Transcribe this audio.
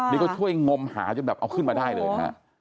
นี่ก็ช่วยงมหาจนแบบเอาขึ้นมาได้เลยนะฮะ